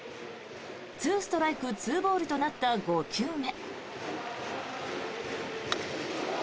２ストライク２ボールとなった５球目。